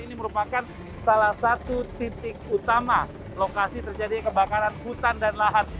ini merupakan salah satu titik utama lokasi terjadi kebakaran hutan dan lahan